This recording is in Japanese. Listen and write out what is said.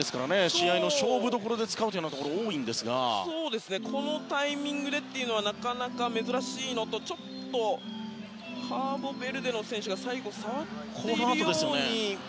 試合の勝負どころで使うことが多いんですがこのタイミングというのはなかなか珍しいのとちょっとカーボベルデの選手が最後、触っているように。